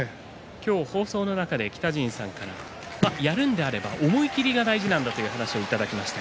今日放送の中で北陣さんから言えるのであれば思い切りが大事だという話をいただきました。